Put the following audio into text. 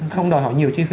không đòi hỏi nhiều chi phí